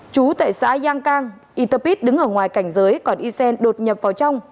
chú tại xã giang cang yterpit đứng ở ngoài cảnh giới còn ysen đột nhập vào trong